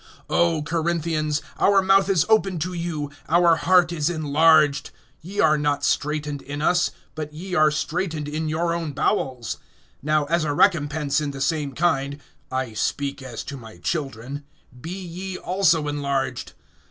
(11)O Corinthians, our mouth is open to you, our heart is enlarged. (12)Ye are not straitened in us, but ye are straitened in your own bowels. (13)Now as a recompense in the same kind (I speak as to my children), be ye also enlarged.